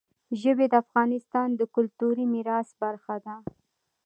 ژبې د افغانستان د کلتوري میراث برخه ده.